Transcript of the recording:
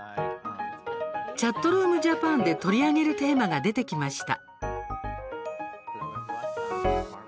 「ＣｈａｔｒｏｏｍＪａｐａｎ」で取り上げるテーマが出てきました。